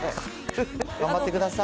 頑張ってください。